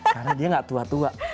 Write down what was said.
karena dia gak tua tua